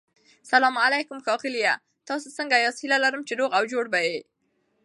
سلام علیکم ښاغلیه تاسو سنګه یاست هيله لرم چی روغ او جوړ به يي